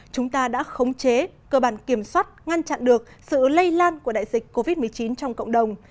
chúng ta đã khống chế cơ bản kiểm soát ngăn chặn được sự lây lan của đại dịch covid một mươi chín trong cộng đồng